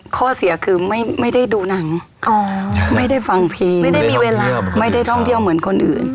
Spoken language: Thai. ข้อเสียคือไม่ได้ดูหนังไม่ได้ฟังเพลงไม่ได้มีเวลาไม่ได้ท่องเที่ยวเหมือนคนอื่น